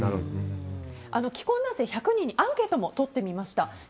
既婚男性１００人にアンケートもとってみました。